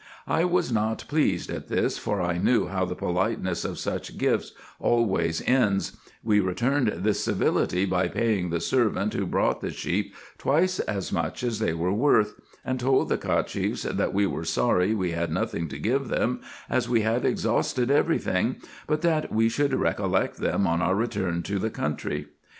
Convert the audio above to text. I was not pleased at this, for I knew how the politeness of such gifts always ends : we returned this civility by paying the servant who brought the sheep twice as much as they were worth, and told the Cacheffs, that we were sorry we had nothing to give them, as we had exhausted every thing, but that we should recollect them on our return to the country.